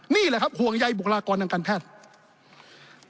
นี่แหละครับห่วงใยบุคลากรทางการแพทย์